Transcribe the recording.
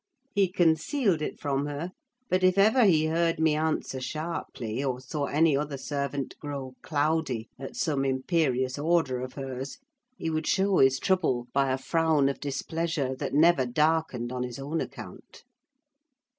He concealed it from her; but if ever he heard me answer sharply, or saw any other servant grow cloudy at some imperious order of hers, he would show his trouble by a frown of displeasure that never darkened on his own account.